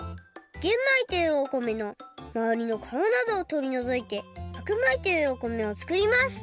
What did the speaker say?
玄米というお米のまわりの皮などをとりのぞいて白米というお米をつくります。